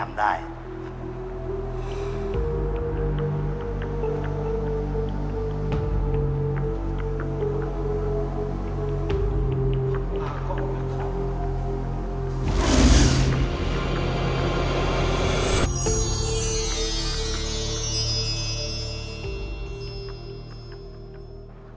อาหารก็ไม่รู้จัก